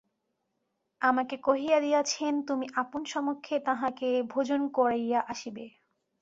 আমাকে কহিয়া দিয়াছেন তুমি আপন সমক্ষে তাঁহাকে ভোজন করাইয়া আসিবে।